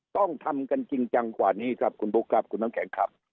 ต้องทำกันจริงจังกว่านี้ครับคุณบุ๊คครับคุณน้ำแข็งครับ